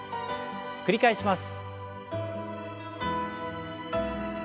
繰り返します。